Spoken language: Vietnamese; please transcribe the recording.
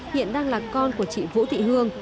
hiện đang là con của chị vũ thị hương